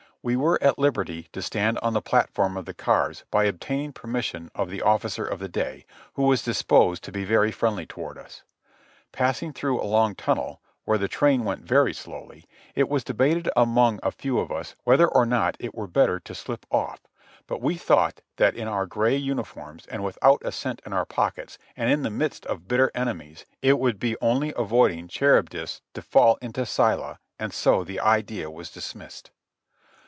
We were at liberty to stand on the platform of the cars by obtaining permission of the officer of the day, who was disposed to be very friendly toward us. Passing through a long tunnel, where the train went very slowly, it was debated among a few of us whether or not it were better to slip off; but we thought that in our gray uniforms and without a cent in our pockets and in the midst of bitter enemies it would be only avoiding Charybdis to fall into Sc3dla, and so the idea was dismissed.